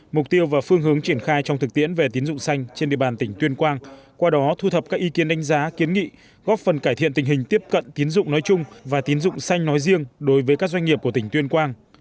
mục tiêu và phương hướng triển khai trong thực tiễn về tín dụng xanh trên địa bàn tỉnh tuyên quang qua đó thu thập các ý kiến đánh giá kiến nghị góp phần cải thiện tình hình tiếp cận tín dụng nói chung và tín dụng xanh nói riêng đối với các doanh nghiệp của tỉnh tuyên quang